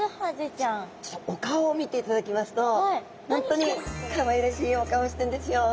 お顔を見ていただきますと本当にかわいらしいお顔してんですよ。